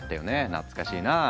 懐かしいな。